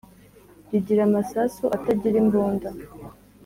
Rigira amasasu atagira imbunda